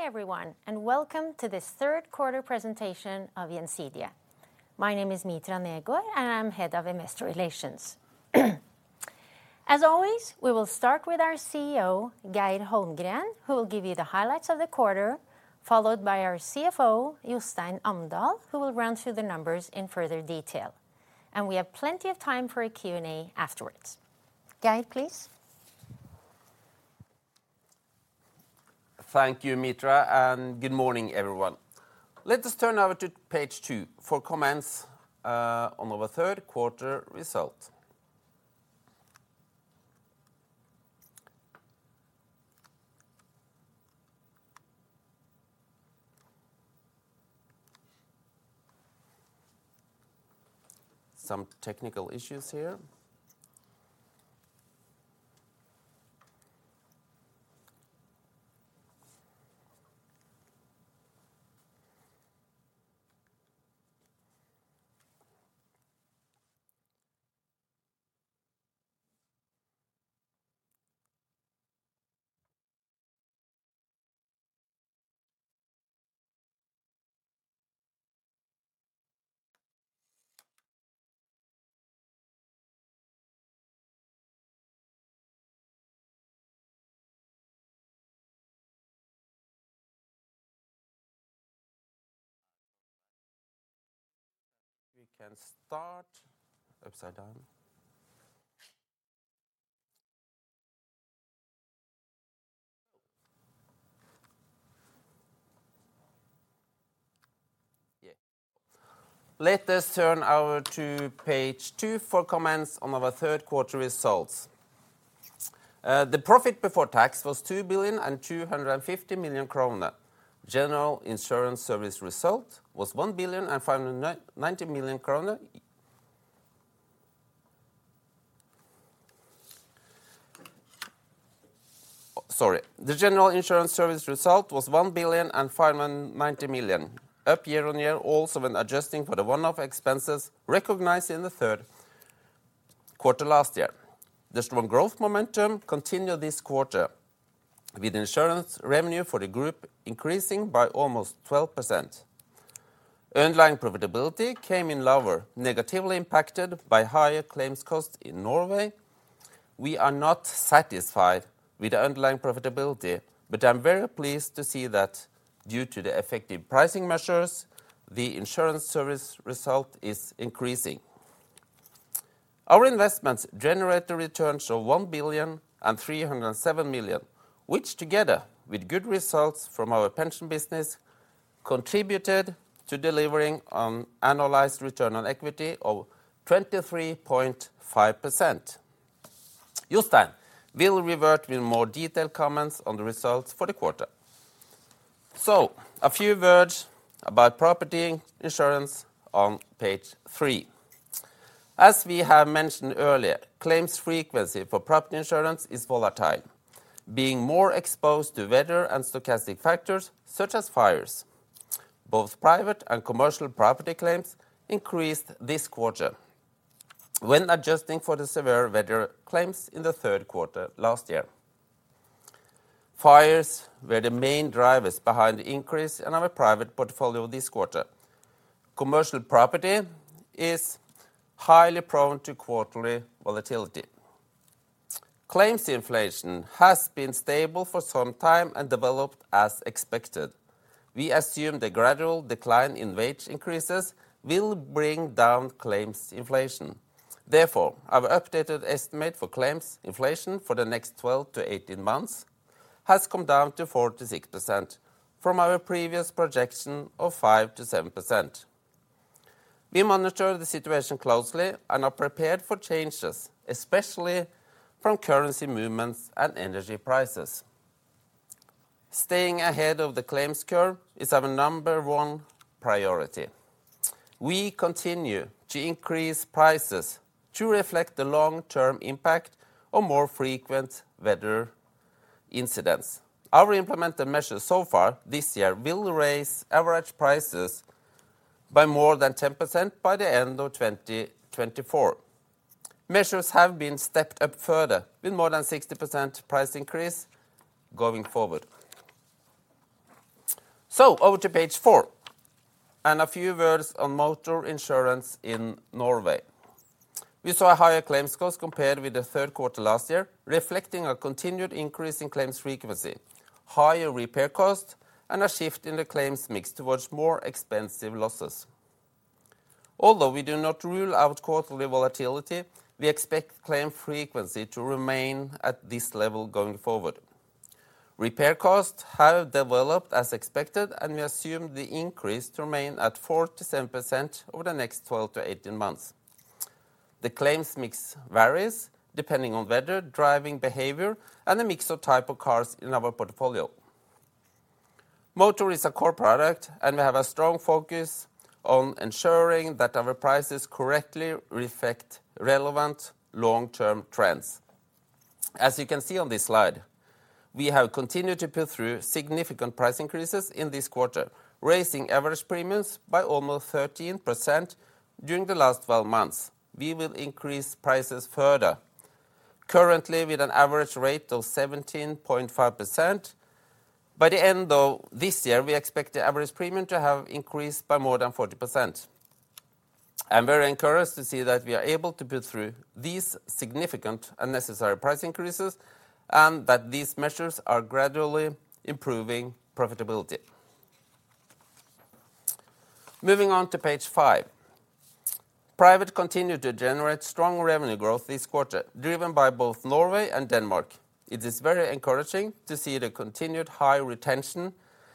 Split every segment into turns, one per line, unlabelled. Hi, everyone, and welcome to this third quarter presentation of Gjensidige. My name is Mitra Negård, and I'm Head of Investor Relations. As always, we will start with our CEO, Geir Holmgren, who will give you the highlights of the quarter, followed by our CFO, Jostein Amdal, who will run through the numbers in further detail. And we have plenty of time for a Q&A afterwards. Geir, please.
Thank you, Mitra, and good morning, everyone. Let us turn over to page two for comments on our third quarter results. The profit before tax was 2.25 billion. General Insurance service result was 1.59 billion. Sorry. The General Insurance service result was 1.59 billion, up year-on-year, also when adjusting for the one-off expenses recognized in the third quarter last year. The strong growth momentum continued this quarter, with insurance revenue for the group increasing by almost 12%. Underlying profitability came in lower, negatively impacted by higher claims costs in Norway. We are not satisfied with the underlying profitability, but I'm very pleased to see that due to the effective pricing measures, the insurance service result is increasing. Our investments generate a return of 1.307 billion, which, together with good results from our pension business, contributed to delivering an annualized return on equity of 23.5%. Jostein will revert with more detailed comments on the results for the quarter. So a few words about property insurance on page three. As we have mentioned earlier, claims frequency for property insurance is volatile, being more exposed to weather and stochastic factors, such as fires. Both private and commercial property claims increased this quarter when adjusting for the severe weather claims in the third quarter last year. Fires were the main drivers behind the increase in our private portfolio this quarter. Commercial property is highly prone to quarterly volatility. Claims inflation has been stable for some time and developed as expected. We assume the gradual decline in wage increases will bring down claims inflation. Therefore, our updated estimate for claims inflation for the next twelve to eighteen months has come down to 4%-6% from our previous projection of 5%-7%. We monitor the situation closely and are prepared for changes, especially from currency movements and energy prices. Staying ahead of the claims curve is our number one priority. We continue to increase prices to reflect the long-term impact of more frequent weather incidents. Our implemented measures so far this year will raise average prices by more than 10% by the end of 2024. Measures have been stepped up further, with more than 60% price increase going forward. So over to page four, and a few words on motor insurance in Norway. We saw higher claims costs compared with the third quarter last year, reflecting a continued increase in claims frequency, higher repair costs, and a shift in the claims mix towards more expensive losses. Although we do not rule out quarterly volatility, we expect claim frequency to remain at this level going forward. Repair costs have developed as expected, and we assume the increase to remain at 4%-7% over the next 12 to 18 months. The claims mix varies depending on weather, driving behavior, and the mix of type of cars in our portfolio. Motor is a core product, and we have a strong focus on ensuring that our prices correctly reflect relevant long-term trends. As you can see on this slide, we have continued to push through significant price increases in this quarter, raising average premiums by almost 13% during the last 12 months. We will increase prices further, currently with an average rate of 17.5%. By the end, though, this year, we expect the average premium to have increased by more than 40%. I'm very encouraged to see that we are able to put through these significant and necessary price increases, and that these measures are gradually improving profitability. Moving on to page five. Private continued to generate strong revenue growth this quarter, driven by both Norway and Denmark. It is very encouraging to see the continued high retention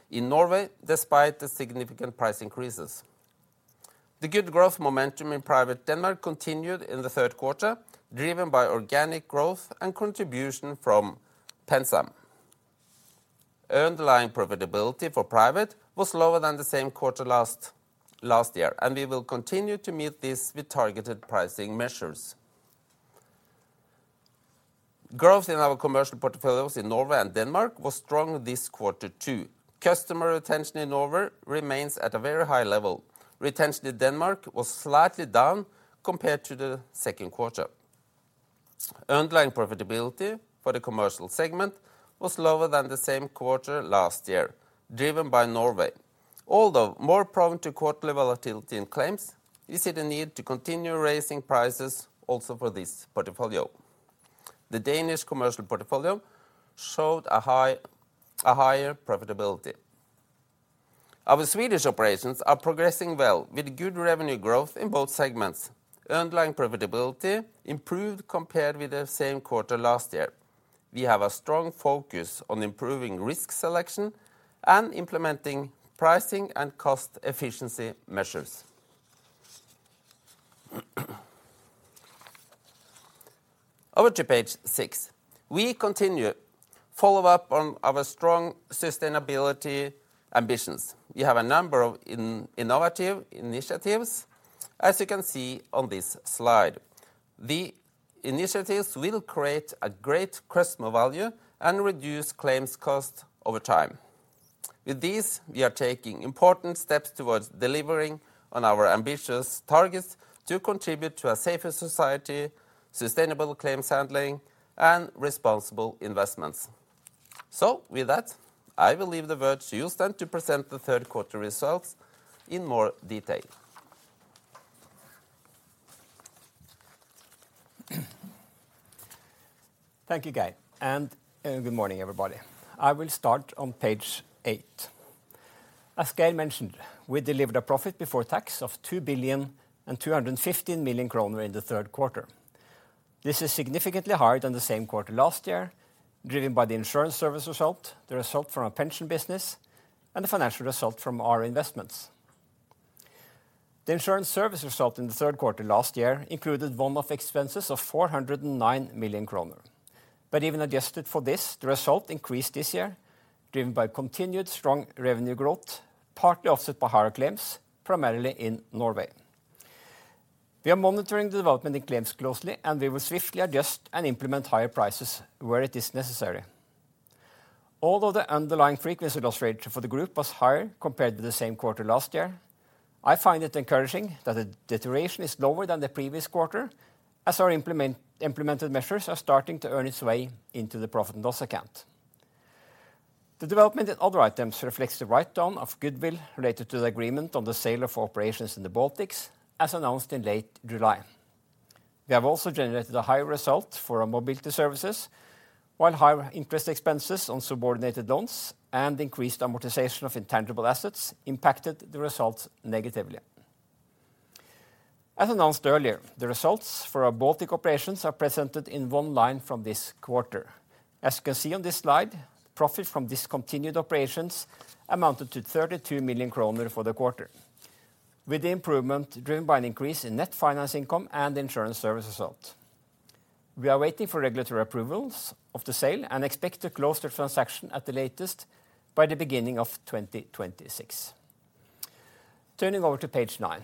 in Norway despite the significant price increases. The good growth momentum in private Denmark continued in the third quarter, driven by organic growth and contribution from PenSam. Earned line profitability for private was lower than the same quarter last year, and we will continue to meet this with targeted pricing measures. Growth in our commercial portfolios in Norway and Denmark was strong this quarter, too. Customer retention in Norway remains at a very high level. Retention in Denmark was slightly down compared to the second quarter. Earned line profitability for the commercial segment was lower than the same quarter last year, driven by Norway. Although more prone to quarterly volatility in claims, you see the need to continue raising prices also for this portfolio. The Danish commercial portfolio showed a higher profitability. Our Swedish operations are progressing well, with good revenue growth in both segments. Earned line profitability improved compared with the same quarter last year. We have a strong focus on improving risk selection and implementing pricing and cost efficiency measures. Over to page six. We continue follow up on our strong sustainability ambitions. We have a number of innovative initiatives, as you can see on this slide. The initiatives will create a great customer value and reduce claims cost over time. With this, we are taking important steps towards delivering on our ambitious targets to contribute to a safer society, sustainable claims handling, and responsible investments. So with that, I will leave the word to Jostein to present the third quarter results in more detail.
Thank you, Geir, and good morning, everybody. I will start on page eight. As Geir mentioned, we delivered a profit before tax of 2.215 billion in the third quarter. This is significantly higher than the same quarter last year, driven by the insurance service result, the result from our pension business, and the financial result from our investments. The insurance service result in the third quarter last year included one-off expenses of 409 million kroner, but even adjusted for this, the result increased this year, driven by continued strong revenue growth, partly offset by higher claims, primarily in Norway. We are monitoring the development in claims closely, and we will swiftly adjust and implement higher prices where it is necessary. Although the underlying frequency loss rate for the group was higher compared to the same quarter last year, I find it encouraging that the deterioration is lower than the previous quarter, as our implemented measures are starting to earn its way into the profit and loss account. The development in other items reflects the write-down of goodwill related to the agreement on the sale of operations in the Baltics, as announced in late July. We have also generated a higher result for our mobility services, while higher interest expenses on subordinated loans and increased amortization of intangible assets impacted the results negatively. As announced earlier, the results for our Baltic operations are presented in one line from this quarter. As you can see on this slide, profit from discontinued operations amounted to 32 million kroner for the quarter, with the improvement driven by an increase in net finance income and insurance service result. We are waiting for regulatory approvals of the sale and expect to close the transaction at the latest by the beginning of 2026. Turning over to page nine.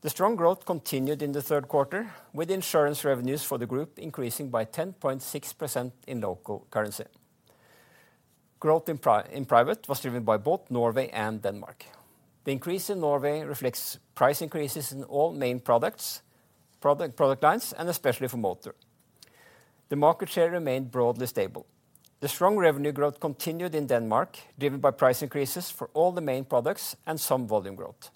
The strong growth continued in the third quarter, with insurance revenues for the group increasing by 10.6% in local currency. Growth in private was driven by both Norway and Denmark. The increase in Norway reflects price increases in all main product lines, and especially for motor. The market share remained broadly stable. The strong revenue growth continued in Denmark, driven by price increases for all the main products and some volume growth.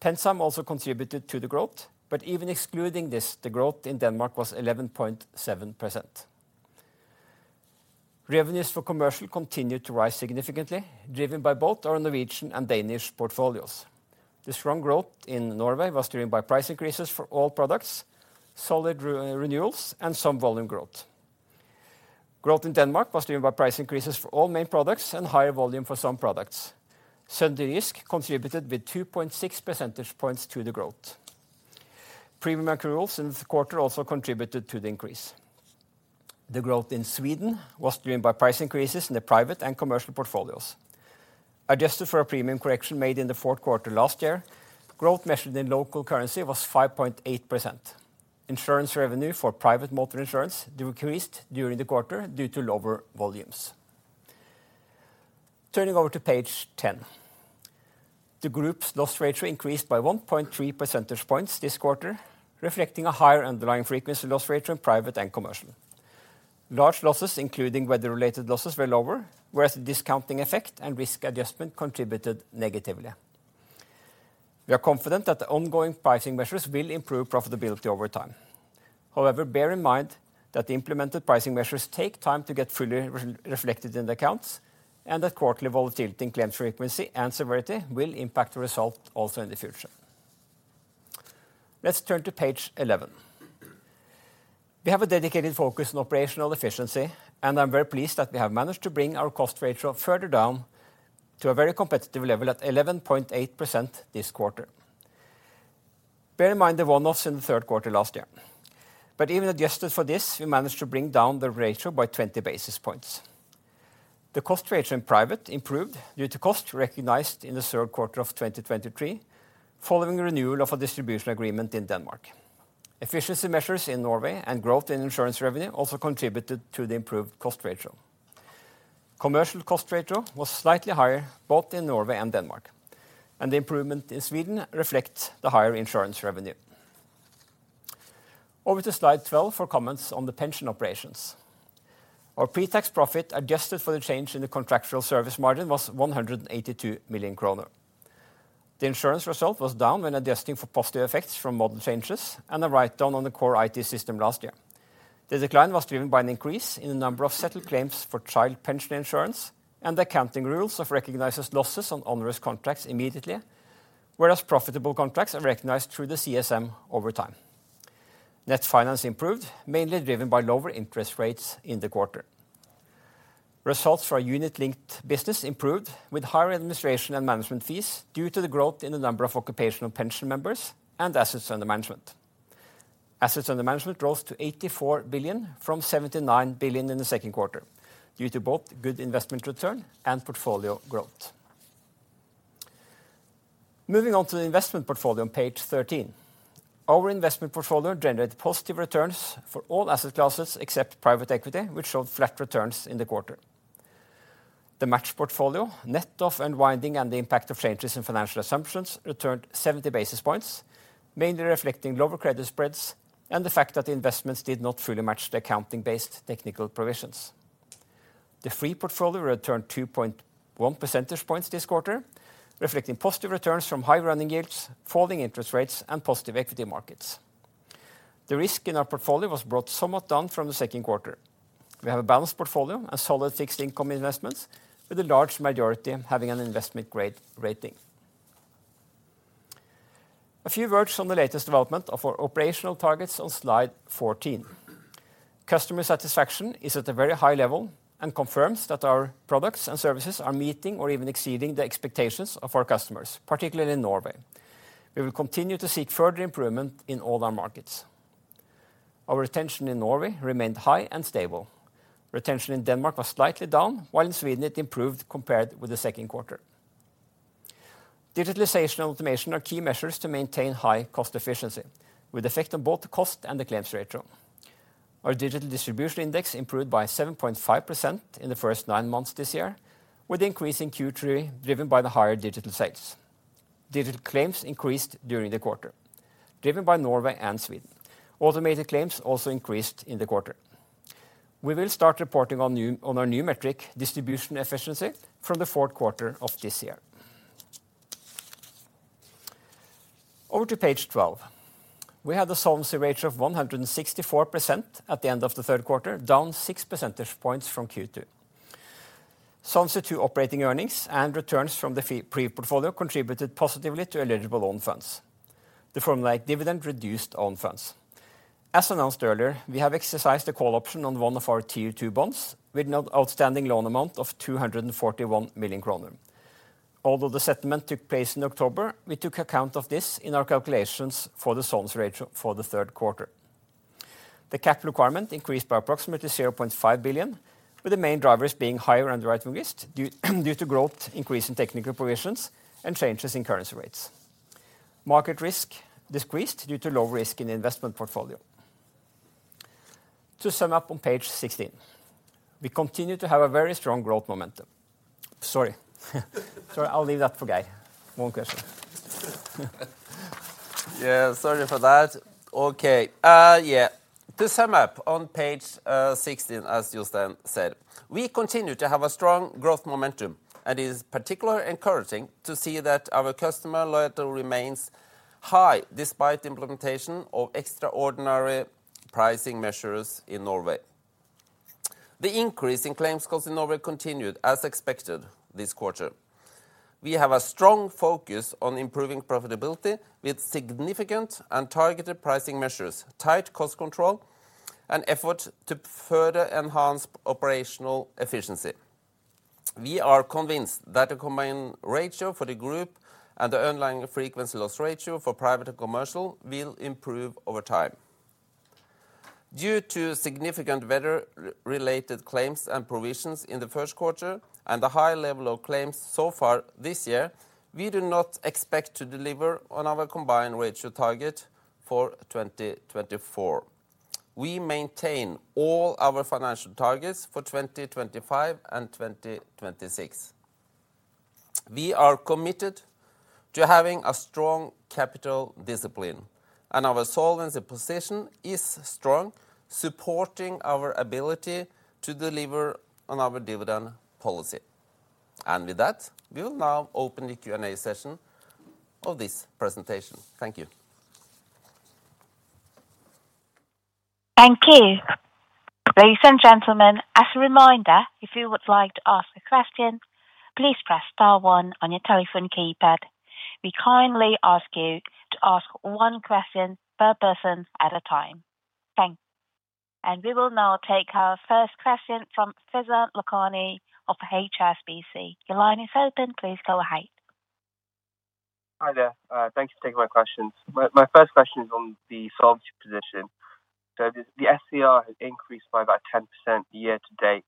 PenSam also contributed to the growth, but even excluding this, the growth in Denmark was 11.7%. Revenues for commercial continued to rise significantly, driven by both our Norwegian and Danish portfolios. The strong growth in Norway was driven by price increases for all products, solid renewals, and some volume growth. Growth in Denmark was driven by price increases for all main products and higher volume for some products. Sønderjysk Forsikring contributed with 2.6 percentage points to the growth. Premium accruals in the quarter also contributed to the increase. The growth in Sweden was driven by price increases in the private and commercial portfolios. Adjusted for a premium correction made in the fourth quarter last year, growth measured in local currency was 5.8%. Insurance revenue for private motor insurance decreased during the quarter due to lower volumes.... Turning over to page 10. The group's loss ratio increased by 1.3 percentage points this quarter, reflecting a higher underlying frequency loss ratio in private and commercial. Large losses, including weather-related losses, were lower, whereas the discounting effect and risk adjustment contributed negatively. We are confident that the ongoing pricing measures will improve profitability over time. However, bear in mind that the implemented pricing measures take time to get fully reflected in the accounts, and that quarterly volatility in claims frequency and severity will impact the result also in the future. Let's turn to page 11. We have a dedicated focus on operational efficiency, and I'm very pleased that we have managed to bring our cost ratio further down to a very competitive level at 11.8% this quarter. Bear in mind the one-offs in the third quarter last year. But even adjusted for this, we managed to bring down the ratio by 20 basis points. The cost ratio in private improved due to cost recognized in the third quarter of 2023, following renewal of a distribution agreement in Denmark. Efficiency measures in Norway and growth in insurance revenue also contributed to the improved cost ratio. Commercial cost ratio was slightly higher, both in Norway and Denmark, and the improvement in Sweden reflects the higher insurance revenue. Over to slide 12 for comments on the pension operations. Our pre-tax profit, adjusted for the change in the contractual service margin, was 182 million kroner. The insurance result was down when adjusting for positive effects from model changes and a write-down on the core IT system last year. The decline was driven by an increase in the number of settled claims for child pension insurance and the accounting rules of recognizes losses on onerous contracts immediately, whereas profitable contracts are recognized through the CSM over time. Net finance improved, mainly driven by lower interest rates in the quarter. Results for our unit-linked business improved, with higher administration and management fees, due to the growth in the number of occupational pension members and assets under management. Assets under management rose to 84 billion from 79 billion in the second quarter, due to both good investment return and portfolio growth. Moving on to the investment portfolio on page 13. Our investment portfolio generated positive returns for all asset classes, except private equity, which showed flat returns in the quarter. The match portfolio, net of unwinding and the impact of changes in financial assumptions, returned seventy basis points, mainly reflecting lower credit spreads and the fact that the investments did not fully match the accounting-based technical provisions. The free portfolio returned two point one percentage points this quarter, reflecting positive returns from high running yields, falling interest rates, and positive equity markets. The risk in our portfolio was brought somewhat down from the second quarter. We have a balanced portfolio and solid fixed income investments, with a large majority having an investment-grade rating. A few words on the latest development of our operational targets on slide fourteen. Customer satisfaction is at a very high level and confirms that our products and services are meeting or even exceeding the expectations of our customers, particularly in Norway. We will continue to seek further improvement in all our markets. Our retention in Norway remained high and stable. Retention in Denmark was slightly down, while in Sweden it improved compared with the second quarter. Digitalization and automation are key measures to maintain high cost efficiency, with effect on both the cost and the claims ratio. Our digital distribution index improved by 7.5% in the first nine months this year, with the increase in Q3 driven by the higher digital sales. Digital claims increased during the quarter, driven by Norway and Sweden. Automated claims also increased in the quarter. We will start reporting on our new metric, distribution efficiency, from the fourth quarter of this year. Over to page twelve. We had a solvency ratio of 164% at the end of the third quarter, down six percentage points from Q2. operating earnings and returns from the free portfolio contributed positively to eligible own funds. The formulaic dividend reduced own funds. As announced earlier, we have exercised a call option on one of our Tier 2 bonds, with an outstanding loan amount of 241 million kroner. Although the settlement took place in October, we took account of this in our calculations for the solvency ratio for the third quarter. The capital requirement increased by approximately 0.5 billion, with the main drivers being higher underwriting risk due to growth, increase in technical provisions, and changes in currency rates. Market risk decreased due to low risk in the investment portfolio. To sum up on page sixteen, we continue to have a very strong growth momentum. Sorry, I'll leave that for Geir. One question.
Yeah, sorry for that. Okay, yeah. To sum up, on page 16, as Jostein said, we continue to have a strong growth momentum, and it is particularly encouraging to see that our customer loyalty remains high, despite the implementation of extraordinary pricing measures in Norway. The increase in claims cost in Norway continued as expected this quarter. We have a strong focus on improving profitability with significant and targeted pricing measures, tight cost control, and effort to further enhance operational efficiency. \We are convinced that the combined ratio for the group and the underlying frequency loss ratio for private and commercial will improve over time. Due to significant weather-related claims and provisions in the first quarter and the high level of claims so far this year, we do not expect to deliver on our combined ratio target for 2024. We maintain all our financial targets for 2025 and 2026. We are committed to having a strong capital discipline, and our solvency position is strong, supporting our ability to deliver on our dividend policy. And with that, we will now open the Q&A session of this presentation. Thank you.
Thank you. Ladies and gentlemen, as a reminder, if you would like to ask a question, please press star one on your telephone keypad. We kindly ask you to ask one question per person at a time. Thank you, and we will now take our first question from Faizan Lakhani of HSBC. Your line is open, please go ahead.
Hi there. Thank you for taking my questions. My first question is on the solvency position. So the SCR has increased by about 10% year to date.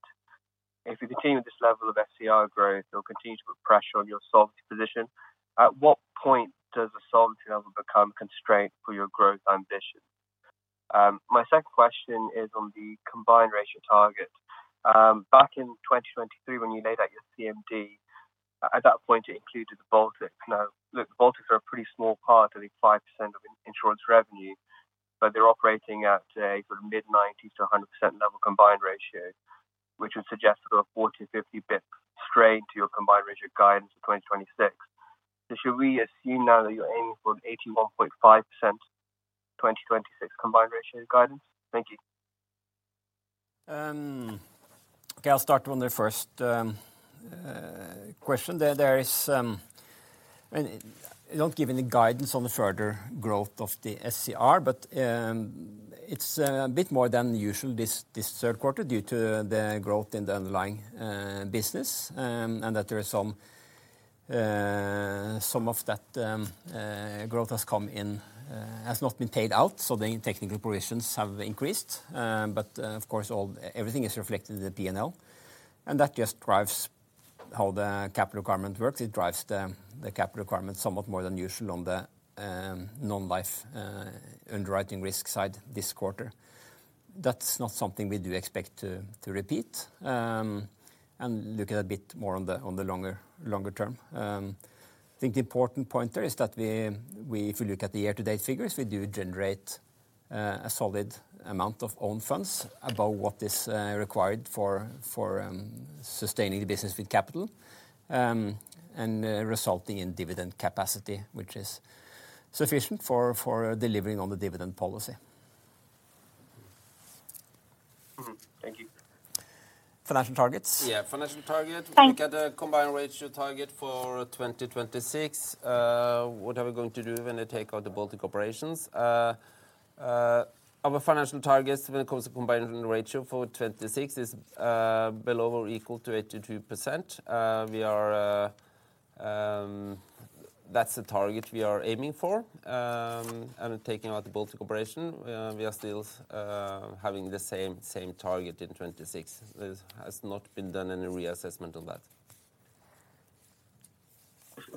If you continue with this level of SCR growth, it'll continue to put pressure on your solvency position. At what point does the solvency level become a constraint for your growth ambition? My second question is on the combined ratio target. Back in 2023, when you laid out your CMD, at that point, it included the Baltics. Now, look, the Baltics are a pretty small part, I think 5% of insurance revenue, but they're operating at a sort of mid-90s to 100% level combined ratio, which would suggest sort of a 40 basis point-50 basis point strain to your combined ratio guidance for 2026. So should we assume now that you're aiming for an 81.5% 2026 combined ratio guidance? Thank you.
Okay, I'll start on the first question. There is... I don't give any guidance on the further growth of the SCR, but it's a bit more than usual this third quarter, due to the growth in the underlying business, and that there are some of that growth has come in has not been paid out, so the technical provisions have increased. But of course, all everything is reflected in the P&L, and that just drives how the capital requirement works. It drives the capital requirement somewhat more than usual on the non-life underwriting risk side this quarter. That's not something we do expect to repeat, and looking a bit more on the longer term. I think the important point there is that we, if we look at the year-to-date figures, we do generate a solid amount of own funds above what is required for sustaining the business with capital, and resulting in dividend capacity, which is sufficient for delivering on the dividend policy.
Mm-hmm. Thank you.
Financial targets?
Yeah, financial target.
Thank-
Look at the combined ratio target for 2026. What are we going to do when they take out the Baltic operations? Our financial targets when it comes to combined ratio for 2026 is below or equal to 82%. We are, that's the target we are aiming for. And taking out the Baltic operation, we are still having the same target in 2026. There has not been done any reassessment on that.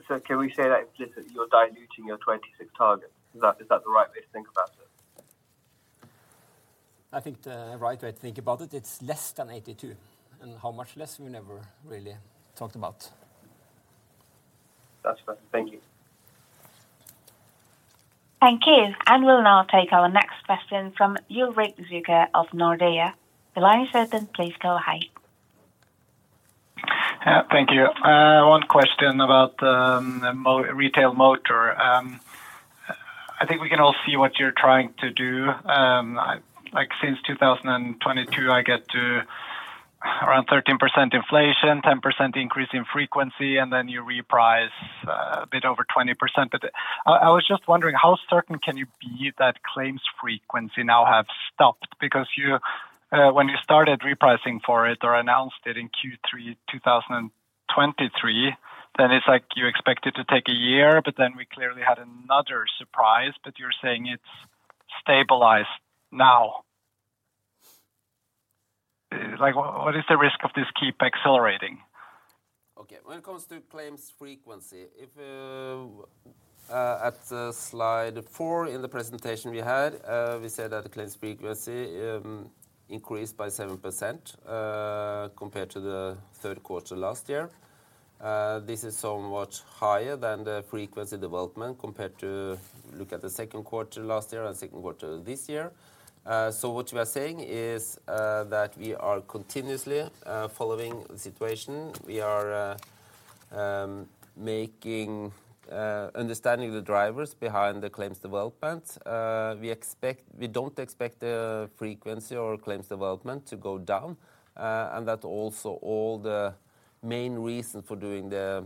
So can we say that, literally, you're diluting your 2026 targets? Is that, is that the right way to think about it?
I think the right way to think about it, it's less than 82%. And how much less, we never really talked about.
That's fine. Thank you.
Thank you, and we'll now take our next question from Ulrik Zürcher of Nordea. Your line is open, please go ahead.
Thank you. One question about retail motor. I think we can all see what you're trying to do. Like, since 2022, I get to around 13% inflation, 10% increase in frequency, and then you reprice a bit over 20%. But I was just wondering, how certain can you be that claims frequency now have stopped? Because you, when you started repricing for it or announced it in Q3 2023, then it's like you expect it to take a year, but then we clearly had another surprise. But you're saying it's stabilized now. Like, what is the risk of this keep accelerating?
Okay, when it comes to claims frequency, at slide four in the presentation we had, we said that the claims frequency increased by 7% compared to the third quarter last year. This is somewhat higher than the frequency development compared to looking at the second quarter last year and second quarter this year. So what we are saying is that we are continuously following the situation. We are understanding the drivers behind the claims development. We don't expect the frequency or claims development to go down, and that is also the main reason for doing the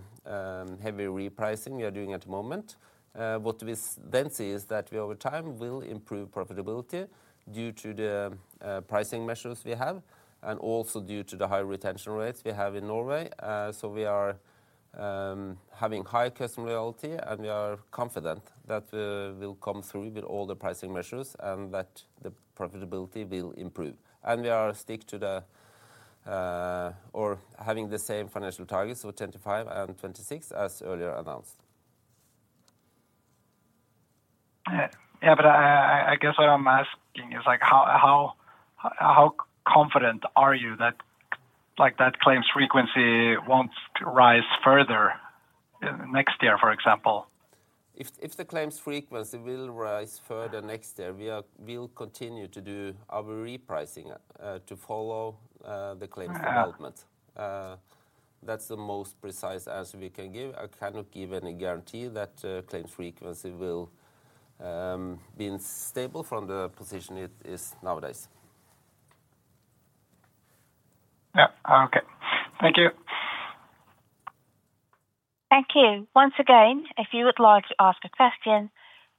heavy repricing we are doing at the moment. What we then see is that we, over time, will improve profitability due to the pricing measures we have and also due to the high retention rates we have in Norway. So we are having high customer loyalty, and we are confident that we will come through with all the pricing measures and that the profitability will improve. We are stick to the or having the same financial targets for 2025 and 2026 as earlier announced....
Yeah, but I guess what I'm asking is, like, how confident are you that, like, that claims frequency won't rise further next year, for example?
If the claims frequency will rise further next year, we'll continue to do our repricing to follow the claims development. That's the most precise answer we can give. I cannot give any guarantee that claims frequency will be stable from the position it is nowadays.
Yeah, okay. Thank you.
Thank you. Once again, if you would like to ask a question,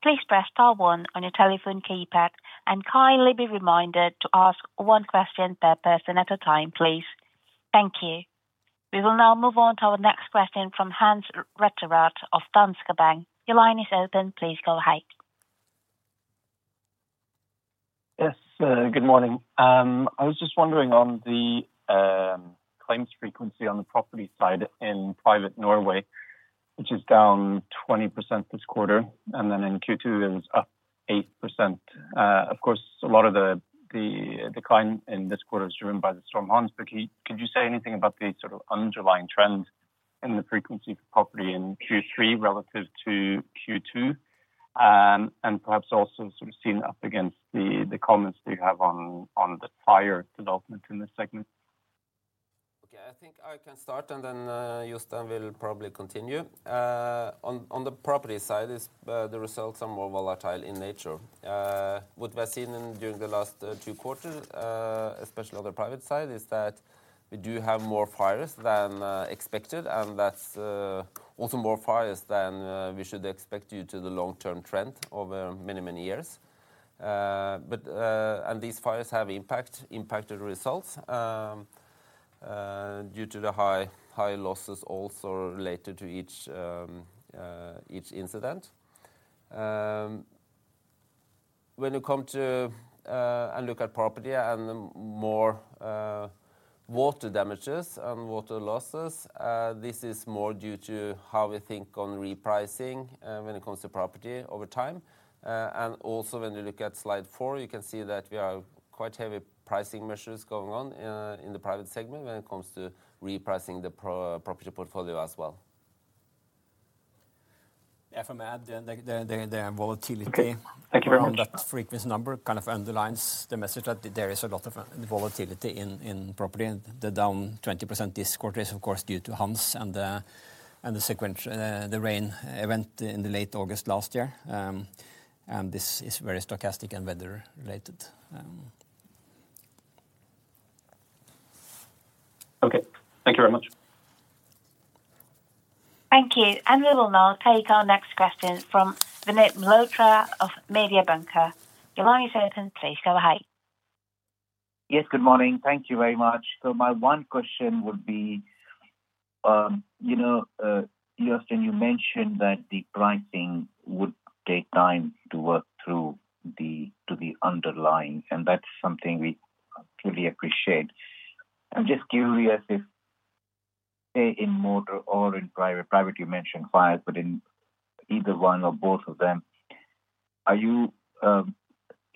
please press star one on your telephone keypad and kindly be reminded to ask one question per person at a time, please. Thank you. We will now move on to our next question from Hans Rettedal of Danske Bank. Your line is open. Please go ahead.
Yes, good morning. I was just wondering on the claims frequency on the property side in Private Norway, which is down 20% this quarter, and then in Q2, it was up 8%. Of course, a lot of the decline in this quarter is driven by the storm Hans. But could you say anything about the sort of underlying trend in the frequency for property in Q3 relative to Q2? And perhaps also sort of set up against the comments that you have on the fire development in this segment.
Okay, I think I can start, and then Jostein will probably continue. On the property side, the results are more volatile in nature. What we have seen during the last two quarters, especially on the private side, is that we do have more fires than expected, and that's also more fires than we should expect due to the long-term trend over many, many years. But these fires have impacted results due to the high losses also related to each incident. When you come to and look at property and more water damages and water losses, this is more due to how we think on repricing when it comes to property over time. And also, when you look at slide four, you can see that we have quite heavy pricing measures going on in the private segment when it comes to repricing the property portfolio as well.
Yeah, if I may add, the volatility-
Okay. Thank you very much.
That frequency number kind of underlines the message that there is a lot of volatility in property. The down 20% this quarter is of course due to Hans and the sequential, the rain event in the late August last year. This is very stochastic and weather-related.
Okay. Thank you very much.
Thank you. And we will now take our next question from Vinit Malhotra of Mediobanca. Your line is open. Please go ahead.
Yes, good morning. Thank you very much. So my one question would be, you know, Jostein, you mentioned that the pricing would take time to work through the, to the underlying, and that's something we clearly appreciate. I'm just curious if, say, in motor or in private, you mentioned fires, but in either one or both of them,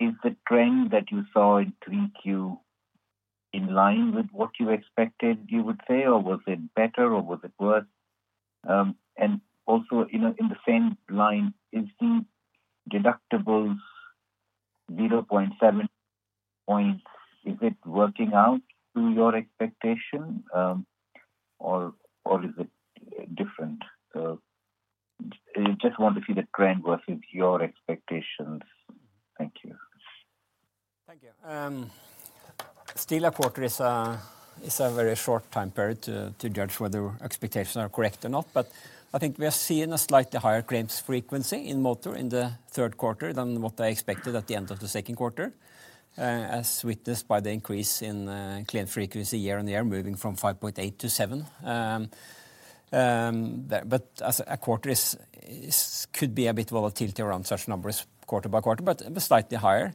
is the trend that you saw in 3Q in line with what you expected, you would say, or was it better, or was it worse? And also, you know, in the same line, is the deductibles 0.7 points, is it working out to your expectation, or is it different? I just want to see the trend versus your expectations. Thank you.
Thank you. Still, a quarter is a very short time period to judge whether expectations are correct or not. But I think we are seeing a slightly higher claims frequency in motor in the third quarter than what I expected at the end of the second quarter, as witnessed by the increase in claim frequency year-on-year, moving from 5.8%-7%. But as a quarter is could be a bit volatility around such numbers quarter by quarter, but it was slightly higher.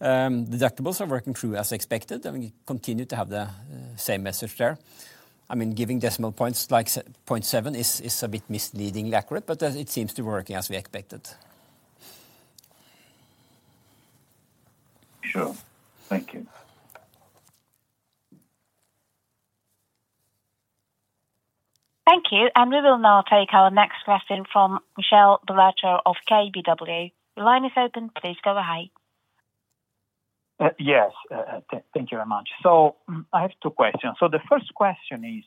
Deductibles are working through as expected, and we continue to have the same message there. I mean, giving decimal points like 0.7 points is a bit misleadingly accurate, but it seems to be working as we expected.
Sure. Thank you.
Thank you. And we will now take our next question from Michele Ballatore of KBW. The line is open. Please go ahead.
Yes, thank you very much. So I have two questions. So the first question is,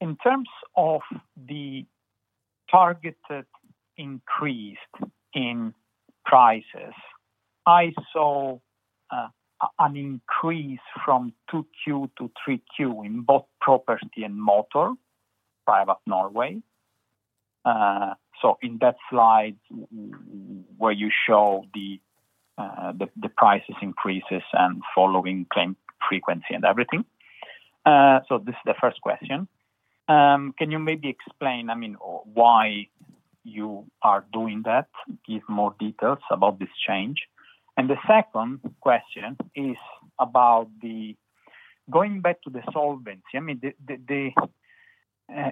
in terms of the targeted increase in prices, I saw an increase from 2Q to 3Q in both property and motor, private Norway. So in that slide, where you show the price increases and following claim frequency and everything. So this is the first question. Can you maybe explain, I mean, why you are doing that? Give more details about this change. And the second question is about the-... going back to the solvency, I mean, the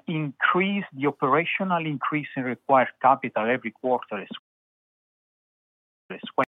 increase, the operational increase in required capital every quarter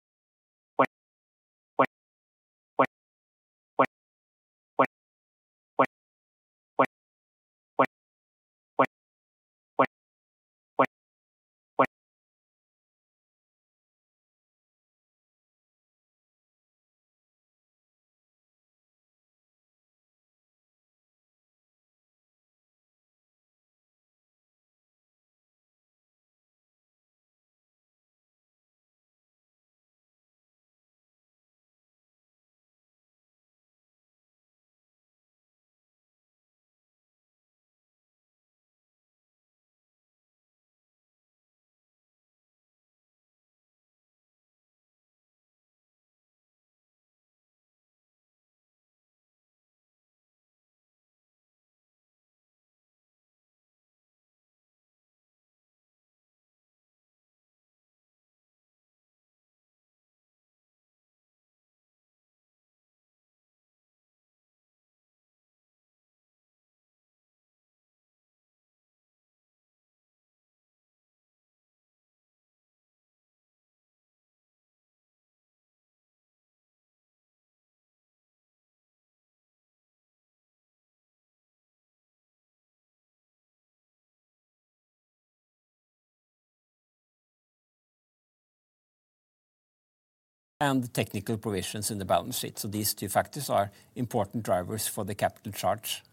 and the technical provisions in the balance sheet. So these two factors are important drivers for the capital charge.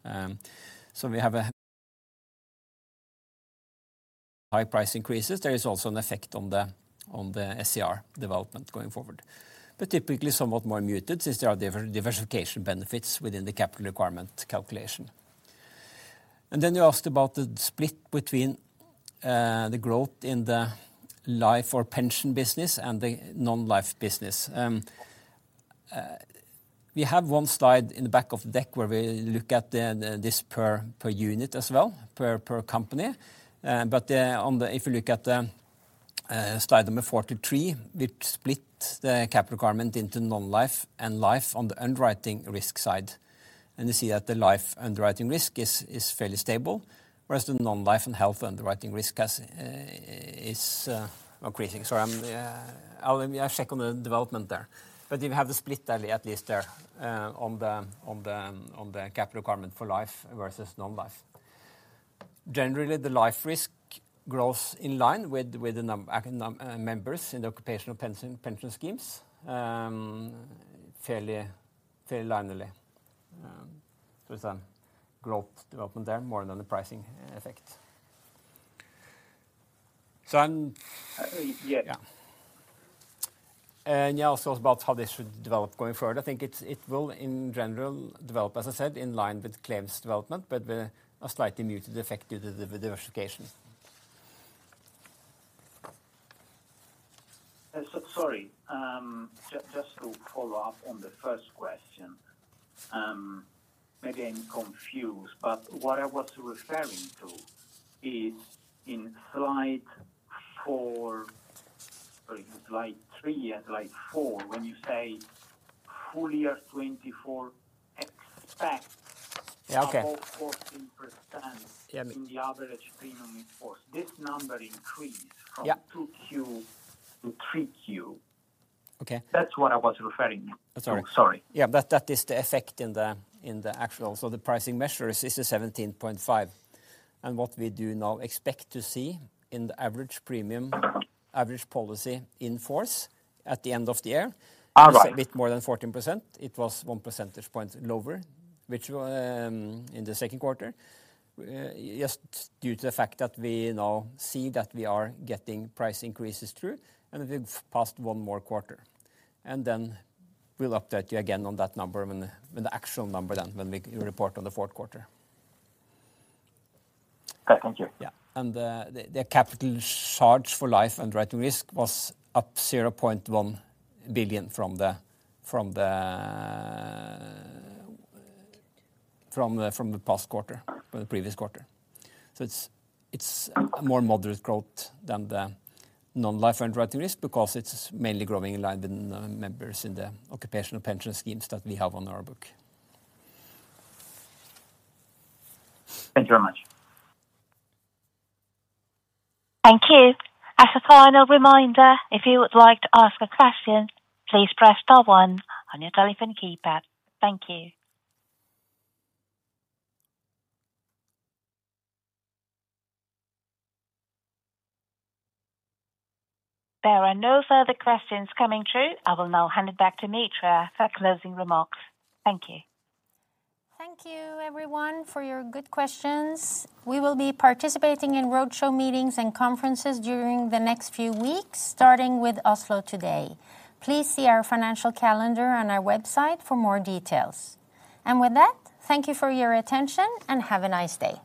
So we have a high price increases. There is also an effect on the SCR development going forward. But typically, somewhat more muted, since there are diversification benefits within the capital requirement calculation. And then you asked about the split between the growth in the life or pension business and the non-life business. We have one slide in the back of the deck where we look at this per unit as well, per company. But if you look at the slide number 43, we've split the capital requirement into non-life and life on the underwriting risk side. And you see that the life underwriting risk is fairly stable, whereas the non-life and health underwriting risk is increasing. Sorry, I'll check on the development there. But we have the split at least there on the capital requirement for life versus non-life. Generally, the life risk grows in line with the number members in the occupational pension schemes fairly linearly. So it's growth development there more than the pricing effect. So yeah. And you asked also about how this should develop going forward. I think it will in general develop, as I said, in line with claims development, but with a slightly muted effect due to the diversification.
So sorry. Just to follow up on the first question, maybe I'm confused, but what I was referring to is in slide four, sorry, slide three and slide four, when you say full year 2024, expect-
Yeah, okay.
About 14%-
Yeah.
in the average premium in force. This number increased-
Yeah.
from 2Q to 3Q.
Okay.
That's what I was referring to.
That's all right.
Sorry.
Yeah, that is the effect in the actual. So the pricing measures is a 17.5%. And what we do now expect to see in the average premium-... average policy in force at the end of the year-
All right...
is a bit more than 14%. It was one percentage point lower, which, in the second quarter, just due to the fact that we now see that we are getting price increases through, and we've passed one more quarter. And then we'll update you again on that number when the actual number, when we report on the fourth quarter.
Okay, thank you.
Yeah. And the capital charge for life underwriting risk was up 0.1 billion from the previous quarter. So it's a more moderate growth than the non-life underwriting risk because it's mainly growing in line with the members in the occupational pension schemes that we have on our book.
Thank you very much.
Thank you. As a final reminder, if you would like to ask a question, please press star one on your telephone keypad. Thank you. There are no further questions coming through. I will now hand it back to Mitra for closing remarks. Thank you.
Thank you everyone for your good questions. We will be participating in roadshow meetings and conferences during the next few weeks, starting with Oslo today. Please see our financial calendar on our website for more details. And with that, thank you for your attention, and have a nice day.